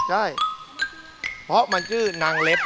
ใช่เพราะมันชื่อนางเล็บ